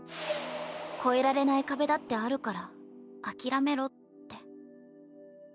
越えられない壁だってあるから諦めろって。